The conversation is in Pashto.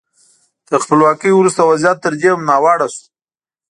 تر خپلواکۍ وروسته وضعیت تر دې هم ناوړه شو.